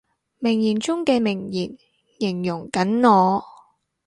名言中嘅名言，形容緊我